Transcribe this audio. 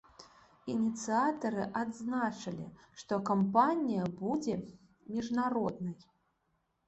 Ініцыятары адзначылі, што кампанія будзе міжнароднай.